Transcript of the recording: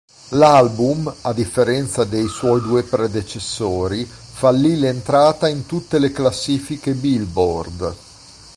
L'album, a differenza dei suoi due predecessori, fallì l'entrata in tutte le classifiche Billboard.